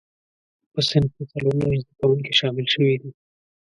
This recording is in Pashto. په صنف کې څلور نوي زده کوونکي شامل شوي دي.